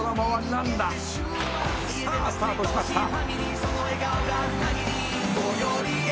「さあスタートしました」